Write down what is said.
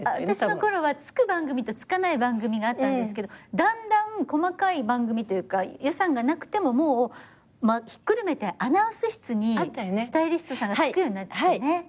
私のころはつく番組とつかない番組があったんですけどだんだん細かい番組というか予算がなくてもひっくるめてアナウンス室にスタイリストさんがつくようになってね。